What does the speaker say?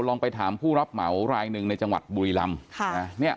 ไปถามผู้รับเหมารายหนึ่งในจังหวัดบุรีลำ